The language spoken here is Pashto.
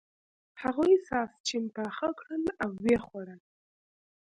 هغوی ساسچن پاخه کړل او و یې خوړل.